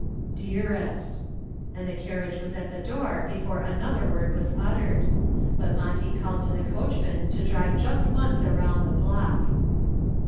"Dearest!" and the carriage was at the door before another word was uttered. But Monty called to the coachman to drive just once around the block.